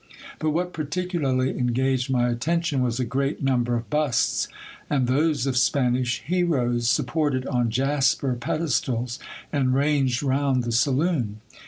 But what particularly engaged my attention was a great number of busts, and those of Spanish heroes, supported on jasper pedestals, and ranged round the saloon.